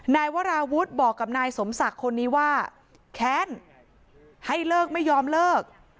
นายวราวุฒิบอกกับนายสมศักดิ์คนนี้ว่าแค้นให้เลิกไม่ยอมเลิก